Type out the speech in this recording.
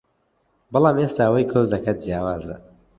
بەڵام ئێستا ئەوەی کۆچ دەکات جیاوازە